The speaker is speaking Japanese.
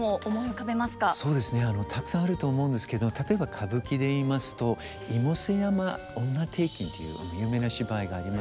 そうですねたくさんあると思うんですけど例えば歌舞伎でいいますと「妹背山婦女庭訓」というあの有名な芝居がありますね。